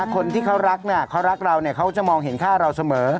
คนที่เขารักเขารักเราเขาจะมองเห็นค่าเราเสมอ